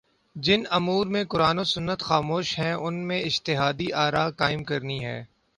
جن امور میں قرآن و سنت خاموش ہیں ان میں اجتہادی آراقائم کرنی ہیں